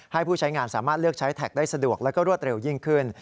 ผู้ใช้งานสามารถเลือกใช้แท็กได้สะดวกแล้วก็รวดเร็วยิ่งขึ้น